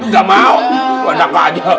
gak mau luandang aja